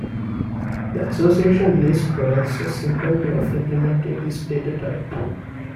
The association list provides a simple way of implementing this data type.